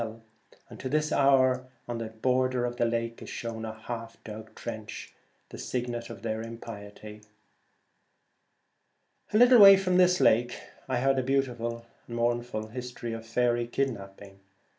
To this hour on the border of the lake is shown a half dug trench — the signet of their impiety. A 122 little way from this lake I heard a Kidnappers. beautiful and mournful history of faery kidnapping.